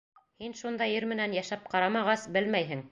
Һин шундай ир менән йәшәп ҡарамағас, белмәйһең.